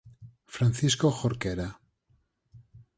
Francisco Jorquera.